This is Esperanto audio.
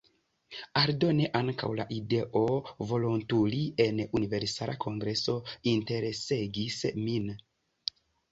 Aldone, ankaŭ la ideo volontuli en Universala Kongreso interesegis min.